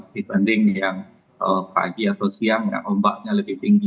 dibanding yang pagi atau siang yang ombaknya lebih tinggi